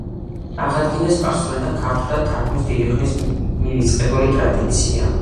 აღადგინა სპარსულიდან ქართულად თარგმნის დიდი ხნის მივიწყებული ტრადიცია.